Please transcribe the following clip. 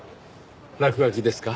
落書きですか？